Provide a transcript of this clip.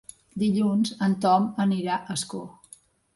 Dilluns en Tom anirà a Ascó.